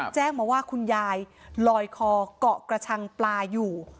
แจ้งมาว่าคุณยายลอยคอเกาะกระชังปลาอยู่